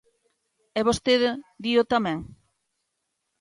E vostede dío tamén.